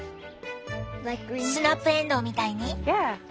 スナップエンドウみたいに？